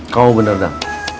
kamu bener dam